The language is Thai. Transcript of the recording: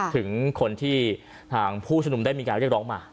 ถึงคนที่ทางผู้ชมนุมได้มีการเรียกร้องมา